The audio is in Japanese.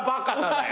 だよ。